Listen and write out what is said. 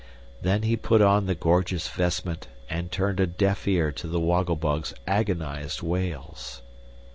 Then he put on the gorgeous vestment, and turned a deaf ear to the Woggle Bug's agonized wails.